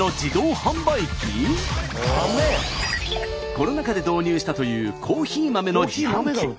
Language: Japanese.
コロナ禍で導入したというコーヒー豆の自販機。